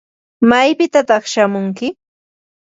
¿Maypitataq shamunki?